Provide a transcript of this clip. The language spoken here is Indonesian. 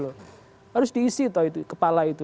harus diisi kepala itu